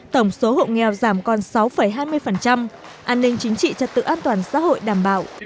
tổng số hộ nghèo giảm còn sáu hai mươi an ninh chính trị trật tự an toàn xã hội đảm bảo